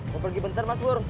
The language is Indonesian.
mau pergi bentar mas bur